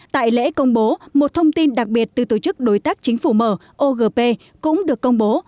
tại lễ công bố một thông tin đặc biệt từ tổ chức đối tác chính phủ mở ogp cũng được công bố